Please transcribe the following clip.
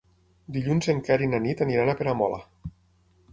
Dilluns en Quer i na Nit aniran a Peramola.